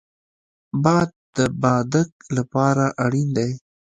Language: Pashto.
باد د بادک لپاره اړین دی